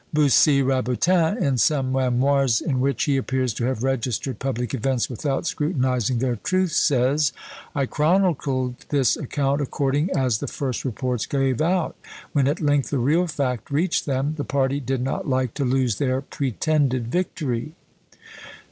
Bussy Rabutin in some memoirs, in which he appears to have registered public events without scrutinising their truth, says, "I chronicled this account according as the first reports gave out; when at length the real fact reached them, the party did not like to lose their pretended victory."